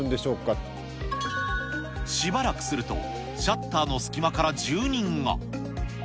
しばらくすると、シャッターの隙間から住人が。